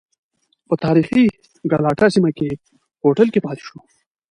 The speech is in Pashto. په تاریخی ګلاټا سیمه کې یې هوټل کې پاتې شو.